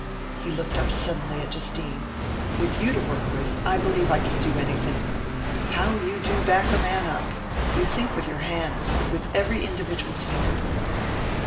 He looked up suddenly at Justine. "With you to work with, I believe I could do anything. How you do back a man up! You think with your hands with every individual finger!"